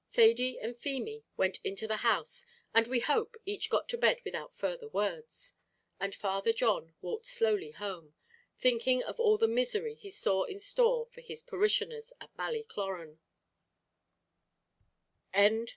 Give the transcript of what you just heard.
Thady and Feemy went into the house, and we hope each got to bed without further words; and Father John walked slowly home, thinking of all the misery he saw in store for his parishioners at Ballycloran.